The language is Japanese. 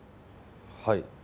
はい。